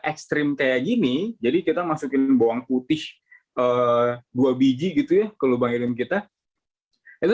ekstrim kayak gini jadi kita masukin bawang putih dua biji gitu ya ke lubang irim kita itu